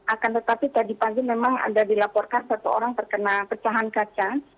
akan tetapi tadi pagi memang ada dilaporkan satu orang terkena pecahan kaca